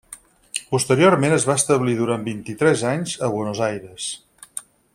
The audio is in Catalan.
Posteriorment es va establir durant vint-i-tres anys a Buenos Aires.